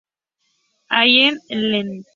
Allen Ltd.